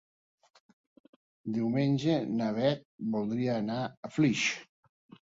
Diumenge na Beth voldria anar a Flix.